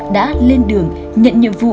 đã lên đường nhận nhiệm vụ